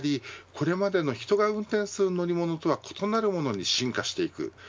これまでの人が運転する乗り物とは異なるものに進化していく。